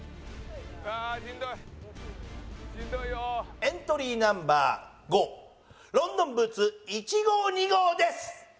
エントリーナンバー５ロンドンブーツ１号２号です！